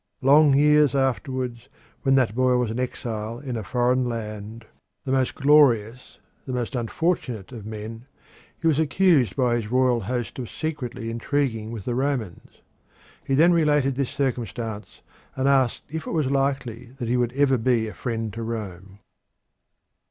Long years afterwards, when that boy was an exile in a foreign land the most glorious, the most unfortunate of men he was accused by his royal host of secretly intriguing with the Romans. He then related this circumstance, and asked if it was likely that he would ever be a friend to Rome.